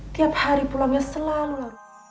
tiap hari pulangnya selalu